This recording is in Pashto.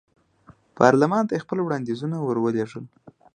پارلمان ته یې خپل وړاندیزونه ور ولېږل.